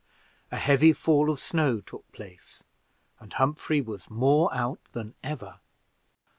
A heavy fall of snow took place, and Humphrey was more out than ever.